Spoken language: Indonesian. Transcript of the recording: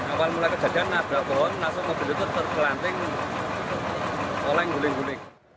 awal mulai kejadian menabrak pohon langsung mobil itu tergelanting oleh guling guling